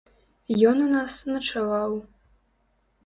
Ён у нас начаваў.